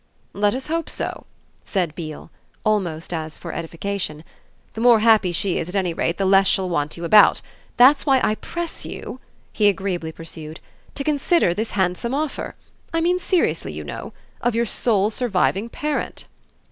"Let us hope so," said Beale almost as for edification. "The more happy she is at any rate the less she'll want you about. That's why I press you," he agreeably pursued, "to consider this handsome offer I mean seriously, you know of your sole surviving parent."